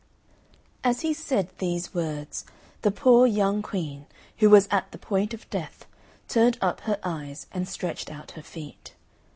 As he said these words the poor young Queen, who was at the point of death, turned up her eyes and stretched out her feet.